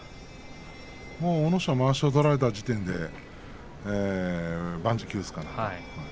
阿武咲はまわしを取られた時点で万事休すかなと。